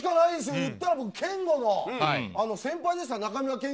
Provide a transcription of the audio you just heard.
言ったら憲剛の先輩ですから！